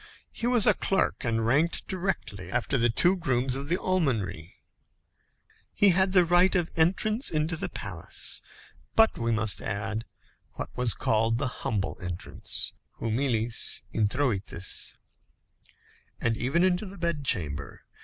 He was a clerk, and ranked directly after the two grooms of the almonry. He had the right of entrance into the palace, but we must add, what was called the humble entrance humilis introïtus and even into the bed chamber.